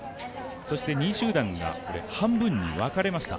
そして２位集団がここで半分に分かれました。